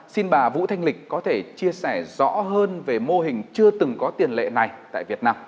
xin bà vũ thanh lịch có thể chia sẻ rõ hơn về mô hình chưa từng có tiền lệ này tại việt nam